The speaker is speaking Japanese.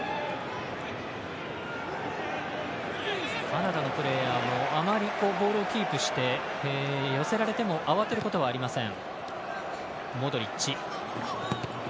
カナダのプレーヤーもあまりボールをキープして寄せられても慌てることはありません。